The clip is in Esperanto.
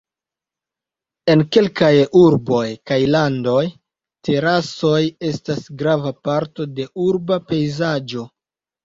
En kelkaj urboj kaj landoj terasoj estas grava parto de urba pejzaĝo.